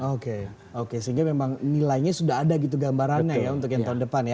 oke oke sehingga memang nilainya sudah ada gitu gambarannya ya untuk yang tahun depan ya